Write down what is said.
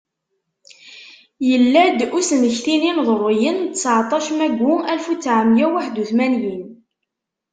Yella-d usmekti n yineḍruyen n tesɛeṭac maggu alef utsɛemya uwaḥed utmanyin.